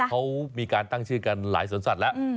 เขามีการตั้งชื่อกันหลายสวนสัตว์แล้ว